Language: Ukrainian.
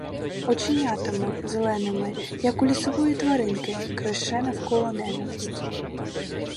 Оченятами, зеленими, як у лісової тваринки, креше навколо ненависть.